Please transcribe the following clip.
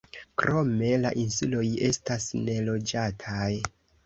Krome la insuloj estas neloĝataj.